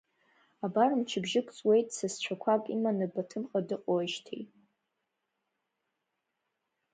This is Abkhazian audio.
Абар мчыбжьык ҵуеит сасцәақәак иманы Баҭымҟа дыҟоуижьҭеи.